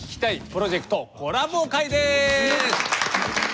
プロジェクトコラボ回です！